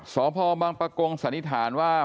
สพบังปะกงสันนิษฐานว่า